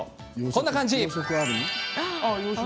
こんな感じです。